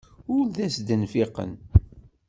Ur d as-d-nfiqen.